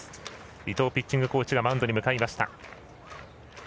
伊藤ピッチングコーチがマウンドに向かいました。